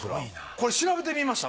これ調べてみました？